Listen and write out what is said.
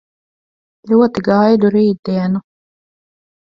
Ļoti gaidu rītdienu.